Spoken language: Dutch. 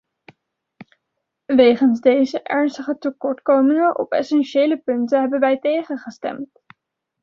Wegens deze ernstige tekortkomingen op essentiële punten hebben wij tegen gestemd.